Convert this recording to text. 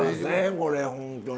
これ本当に。